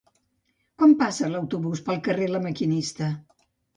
Quan passa l'autobús pel carrer La Maquinista?